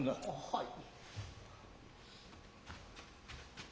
はい。